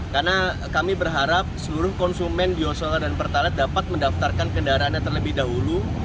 karena kami berharap seluruh konsumen biosolar dan pertalat dapat mendaftarkan kendaraannya terlebih dahulu